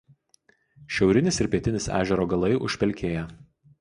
Šiaurinis ir pietinis ežero galai užpelkėję.